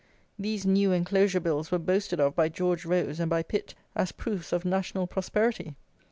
These new enclosure bills were boasted of by George Rose and by Pitt as proofs of national prosperity!